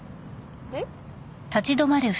えっ？